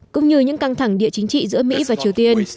cũng như những căng thẳng địa chính trị giữa mỹ và triều tiên